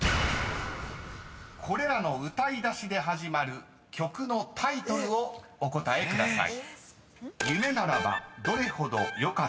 ［これらの歌い出しで始まる曲のタイトルをお答えください］